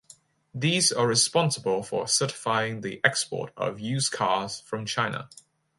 These are responsible for certifying the export of used cars from China.